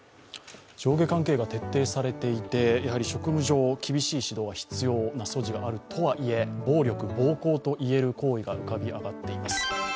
上下関係が徹底されていて職務上、厳しい措置が必要な素地があるとはいえ暴力、暴行といえる行為が浮かび上がっています。